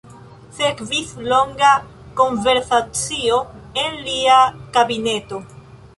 Sekvis longa konversacio en lia kabineto.